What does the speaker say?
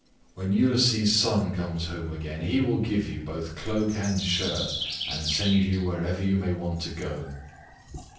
When Ulysses' son comes home again he will give you both cloak and shirt, and send you wherever you may want to go."